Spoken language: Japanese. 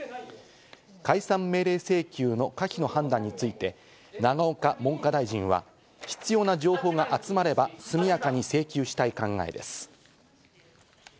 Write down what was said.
解散命令請求の可否の判断について、永岡文科大臣は必要な情報が集まれば速やかに請求したい考えです。